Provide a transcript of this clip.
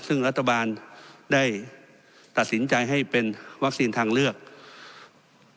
ซึ่งรัฐบาลได้ตัดสินใจให้เป็นวัคซีนทางเลือก